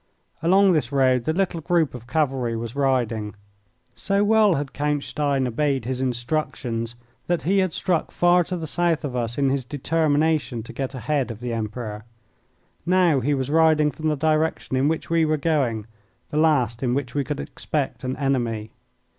Along this road the little group of cavalry was riding. So well had Count Stein obeyed his instructions that he had struck far to the south of us in his determination to get ahead of the Emperor. Now he was riding from the direction in which we were going the last in which we could expect an enemy.